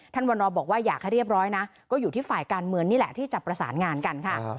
วันรอบอกว่าอยากให้เรียบร้อยนะก็อยู่ที่ฝ่ายการเมืองนี่แหละที่จะประสานงานกันค่ะ